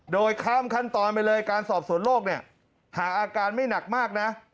โดยข้ามขั้นตอนไปเลยการสอบสวนโรคเนี่ยหากอาการไม่หนักมากนะ